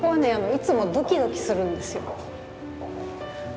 いつもドキドキするんですよ。